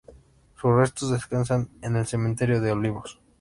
Sus restos descansan en el Cementerio de Olivos.